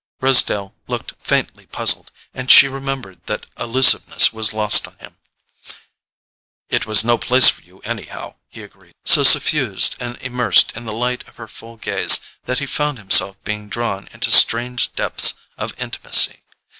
Rosedale looked faintly puzzled, and she remembered that allusiveness was lost on him. "It was no place for you, anyhow," he agreed, so suffused and immersed in the light of her full gaze that he found himself being drawn into strange depths of intimacy.